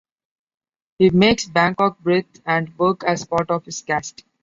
He makes Bangkok breathe and work as part of his cast.